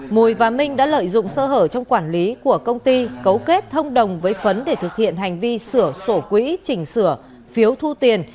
mùi và minh đã lợi dụng sơ hở trong quản lý của công ty cấu kết thông đồng với phấn để thực hiện hành vi sửa sổ quỹ chỉnh sửa phiếu thu tiền